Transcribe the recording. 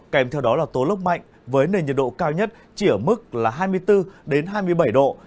kèm theo đó là tố lốc mạnh với nền nhiệt độ cao nhất chỉ ở mức là hai mươi bốn hai mươi bảy độ